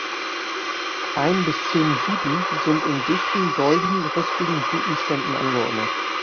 Ein bis zehn Blüten sind in dichten, doldigen rispigen Blütenständen angeordnet.